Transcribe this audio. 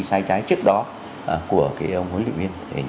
sai trái trước đó của cái ông huấn luyện viên thể hình